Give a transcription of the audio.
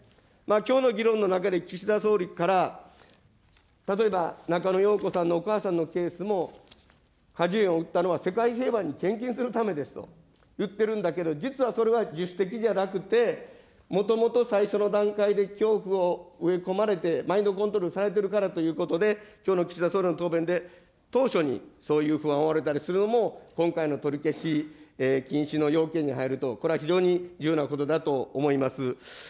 きょうの議論の中で岸田総理から、例えば、中野容子さんのお母さんのケースも果樹園を売ったのは世界平和に献金するためですと言ってるんだけど、実はそれは自主的じゃなくて、もともと最初の段階で恐怖を植え込まれて、マインドコントロールされているからということで、きょうの岸田総理の答弁で、当初にそういう不安をあおられたりするのも、今回の取り消し、禁止の要件に入ると、これは非常に重要なことだと思います。